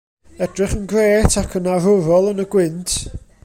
Edrych yn grêt ac yn arwrol yn y gwynt.